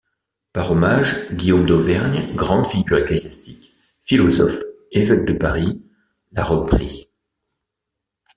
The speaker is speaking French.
Par hommage, Guillaume d'Auvergne, grande figure ecclésastique, philosophe, évêque de Paris, l'a repris.